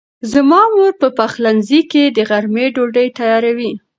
زما مور په پخلنځي کې د غرمې ډوډۍ تیاروي.